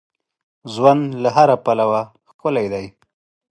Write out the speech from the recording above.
ژوند له هر پلوه ښکلی دی.